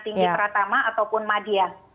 tinggi terutama ataupun madia